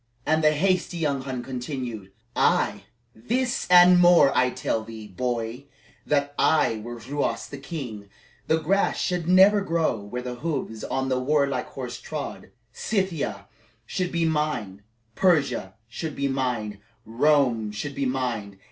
And the hasty young Hun continued: "Ay, this and more! I tell thee, boy, that were I Ruas the king, the grass should never grow where the hoofs of my war horse trod; Scythia should be mine; Persia should be mine; Rome should be mine.